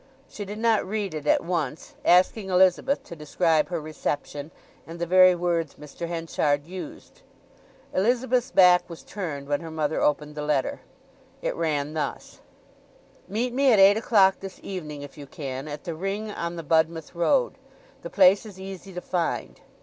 She did not read it at once, asking Elizabeth to describe her reception, and the very words Mr. Henchard used. Elizabeth's back was turned when her mother opened the letter. It ran thus:— "Meet me at eight o'clock this evening, if you can, at the Ring on the Budmouth road. The place is easy to find.